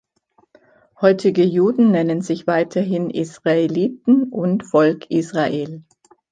Heutige Juden nennen sich weiterhin "Israeliten" und "Volk Israel".